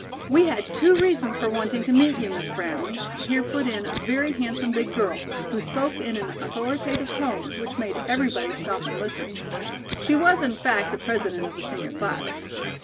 "We had two reasons for wanting to meet you, Miss Brown," here put in a very handsome big girl, who spoke in an authoritative tone, which made everybody stop and listen. (She was, in fact, the President of the senior class.)